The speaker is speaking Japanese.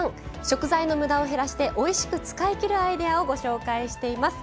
食材のむだを減らしておいしく使いきるアイデアをご紹介しています。